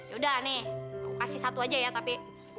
yaudah nih kasih satu aja ya tapi